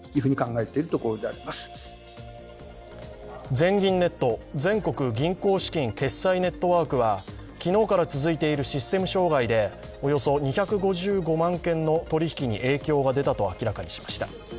全銀ネット＝全国銀行資金決済ネットワークは昨日から続いているシステム障害でおよそ２５５万件の取引に影響が出たと明らかにしました。